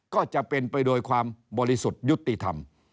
ก็จะเป็นไปโดยความบริสุทธิ์ยุติธรรม